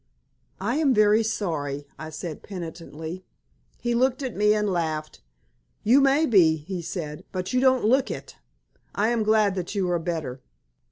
"I am very sorry," I said, penitently. He looked at me and laughed. "You may be," he said; "but you don't look it. I am glad that you are better."